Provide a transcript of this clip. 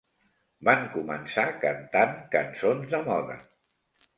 Van començar cantant cançons de moda.